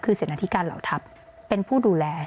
คือเสนอธิการเหล่าทัพเป็นผู้ดูแล